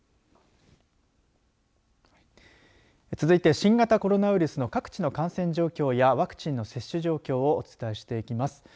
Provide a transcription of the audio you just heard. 続いて、新型コロナウイルスの各地の感染状況やワクチンの接種状況をお伝えしていきます。